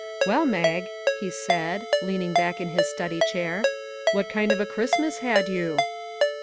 " Well, Mag," he said, leaning back in his study chair, " what kind of a Christmas had you?"